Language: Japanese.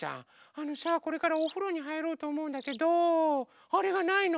あのさこれからおふろにはいろうとおもうんだけどあれがないの！